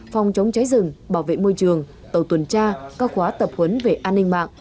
phòng chống cháy rừng bảo vệ môi trường tàu tuần tra các khóa tập huấn về an ninh mạng